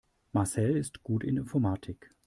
Marcel ist gut in Informatik.